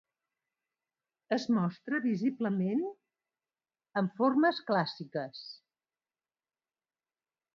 Es mostra visiblement amb formes clàssiques.